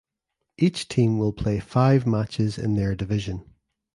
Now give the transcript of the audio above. Each team will play five matches in their division.